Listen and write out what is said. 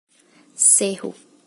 Serro